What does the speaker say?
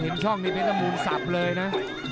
เห็นช่องนี้มันจะหมูนสับเลยนะ